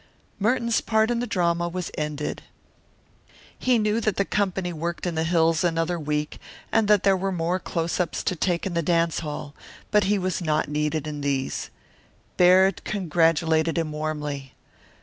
Merton's part in the drama was ended. He knew that the company worked in the hills another week and there were more close ups to take in the dance hall, but he was not needed in these. Baird congratulated him warmly.